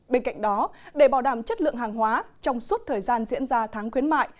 bên cạnh đó để bảo đảm chất lượng hàng hóa trong suốt thời gian diễn ra tháng khuyến mại